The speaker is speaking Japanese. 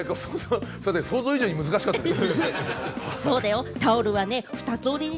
想像以上に難しかったです。